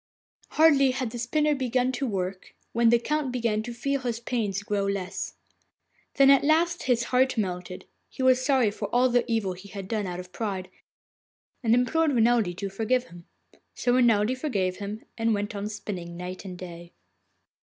Hardly had the spinner begun to work when the Count began to feel his pains grow less. Then at last his heart melted; he was sorry for all the evil he had done out of pride, and implored Renelde to forgive him. So Renelde forgave him, and went on spinning night and day.